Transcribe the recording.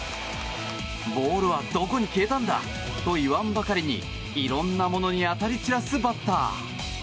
ボールはどこに消えたんだ！と言わんばかりにいろんなものに当たり散らすバッター。